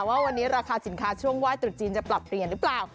ว่าวันนี้ราคาสินค้าช่วงไหว้ตรุษจีนจะปรับเปลี่ยนหรือเปล่า